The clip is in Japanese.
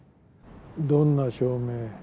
どんな照明？